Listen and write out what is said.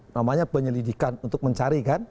namanya penyelidikan untuk mencari kan